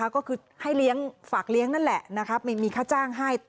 ก็คือให้เลี้ยงฝากเลี้ยงนั่นแหละมีค่าจ้างให้